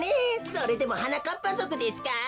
それでもはなかっぱぞくですか？